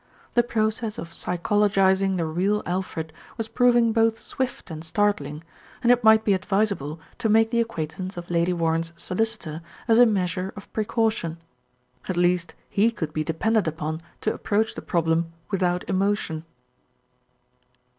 The process of psychologising the real Alfred was proving both swift and startling, and it might be advisable to make the acquaintance of Lady Warren's solicitor as a measure of precaution. At least he could be depended upon to approach the problem without emotion.